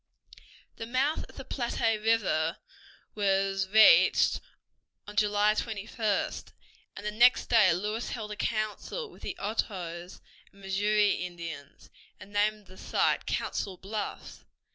The mouth of the Platte River was reached on July 21st, and the next day Lewis held a council with the Ottoes and Missouri Indians, and named the site Council Bluffs.